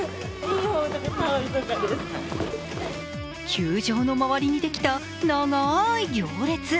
球場の周りにできた長い行列。